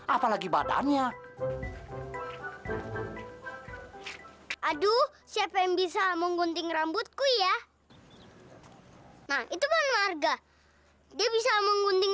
apalagi badannya aduh siapa yang bisa menggunting rambutku ya nah itu kan warga dia bisa mengunting